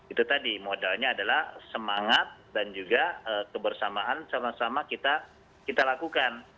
itu tadi modalnya adalah semangat dan juga kebersamaan sama sama kita lakukan